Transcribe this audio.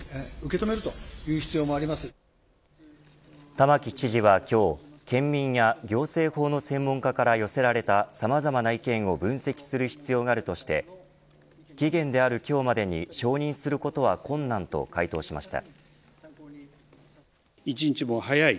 玉城知事は今日県民や行政法の専門家から寄せられたさまざまな意見を分析する必要があるとして期限である今日までに承認することは困難と回答しました。